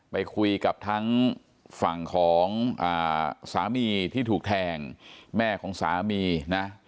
ไปคุยกับทั้งฝั่งของสามีที่ถูกแทงแม่ของสามีนะ